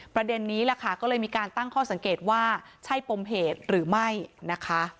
ประเด็นนี้แหละค่ะก็เลยมีการตั้งข้อสังเกตว่าใช่ปมเหตุหรือไม่นะคะ